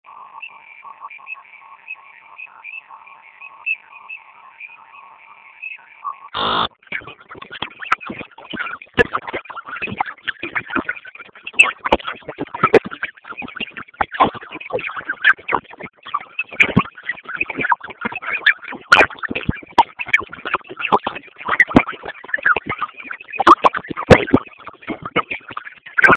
Tumia viazi vilivyopondwa pondwa baada ya kuchemshwa